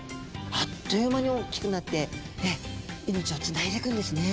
あっという間に大きくなって命をつないでいくんですね。